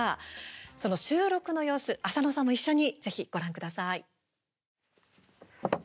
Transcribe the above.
その収録の様子、浅野さんも一緒に、ぜひご覧ください。